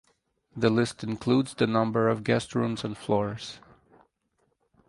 The list includes the number of guest rooms and floors.